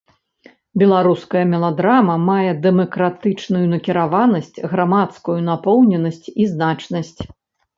Беларуская меладрама мае дэмакратычную накіраванасць, грамадскую напоўненасць і значнасць.